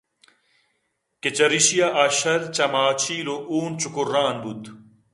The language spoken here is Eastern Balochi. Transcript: کہ چرایشی ءَ آ شرّ چَہمہ چِیل ءُ حُون چُکّران بوت